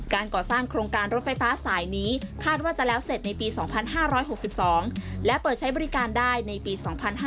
ก่อสร้างโครงการรถไฟฟ้าสายนี้คาดว่าจะแล้วเสร็จในปี๒๕๖๒และเปิดใช้บริการได้ในปี๒๕๕๙